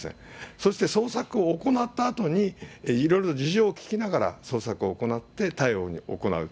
そして捜索を行ったあとに、いろいろと事情を聴きながら捜索を行って、逮捕を行う。